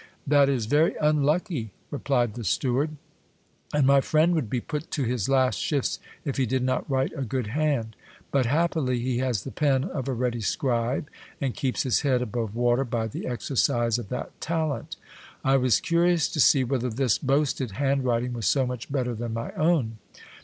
That is very unlucky, replied the steward ; and my friend would be put to his last shifts if he did not write a good hand. But, happily, he has the pen of a ready scribe, and keeps his head above water by the exercise of that talent. I was curious to see whether this boasted hand writing was so much better than my own.